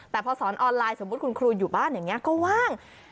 แต่พอสอนออนไลน์สมมุติคุณครูอยู่บ้านอย่างนี้ก็ว่าง